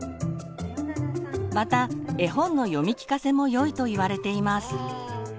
また絵本の読み聞かせもよいといわれています。